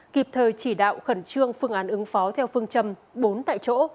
kịp thời chỉ đạo khẩn trương phương án ứng phó theo phương châm bốn tại chỗ